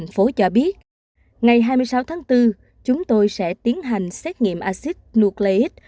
tp cho biết ngày hai mươi sáu tháng bốn chúng tôi sẽ tiến hành xét nghiệm acid nucleic